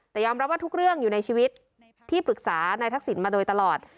แต่ยอมรับว่าทุกเรื่องอยู่ในชีวิตที่ปรึกษานายทักษิณมาโดยตลอด